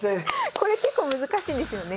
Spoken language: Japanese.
これ結構難しいんですよね。